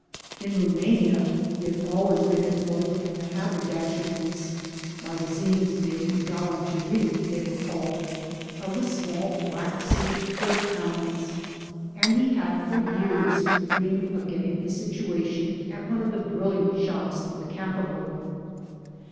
In Rumania he had always been employed in the haberdasheries — magazins de gaUanterie they were called — of the small Black Sea port towns, and he had for years dreamed of getting a situation at one of the brilliant shops of the capital.